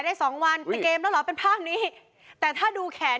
ได้๒วันกินเกมแล้วหรอกเป็นภาพนี้แต่ถ้าดูแขน